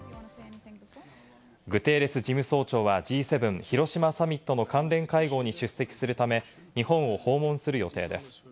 グテーレス事務総長はＧ７広島サミットの関連会合に出席するため、日本を訪問する予定です。